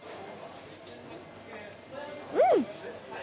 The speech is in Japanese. うん！